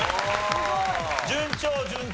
順調順調。